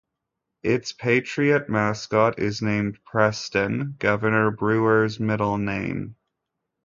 Its patriot mascot is named Preston, Governor Brewer's middle name.